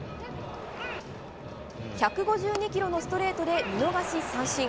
１５２キロのストレートで見逃し三振。